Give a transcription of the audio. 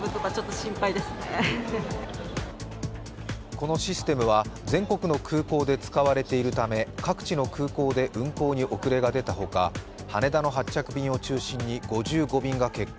このシステムは、全国の空港で使われているため各地の空港で運航に遅れが出たほか、羽田の発着便を中心に５５便が欠航。